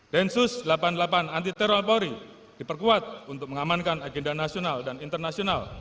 densus delapan puluh delapan anti teror polri diperkuat untuk mengamankan agenda nasional dan internasional